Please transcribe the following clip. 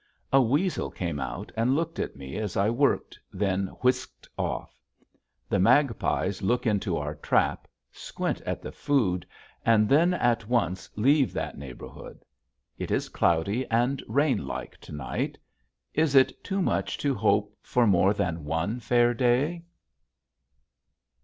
A weasel came out and looked at me as I worked, then whisked off. The magpies look into our trap, squint at the food, and then at once leave that neighborhood. It is cloudy and rainlike to night. Is it too much to hope for more than one fair day?